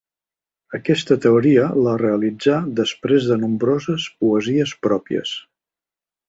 Aquesta teoria la realitzà després en nombroses poesies pròpies.